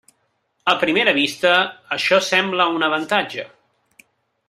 A primera vista, això sembla un avantatge.